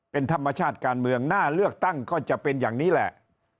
เป็นธรรมชาติการเมืองหน้าเลือกตั้งก็จะเป็นอย่างนี้แหละ